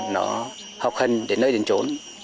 nó học hành đến nơi đến chỗ